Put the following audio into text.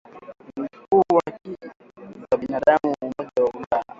Mkuu wa haki za binadamu wa Umoja wa Ulaya